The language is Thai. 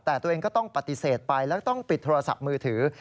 แต่ตัวเองก็ต้องปฏิเสธไปแล้วต้องปิดโทรศัพท์มือถือ